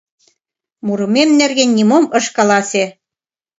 «Мурымем нерген нимом ыш каласе.